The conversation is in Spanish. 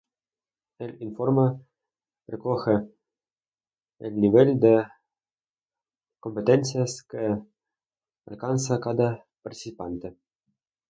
El informe recoge el nivel de competencias que alcanza cada participante.